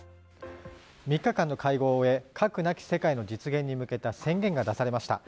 ３日間の会合を終え核なき世界の実現に向けた宣言が出されました。